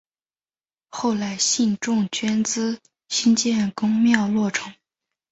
后来信众捐资兴建宫庙落成。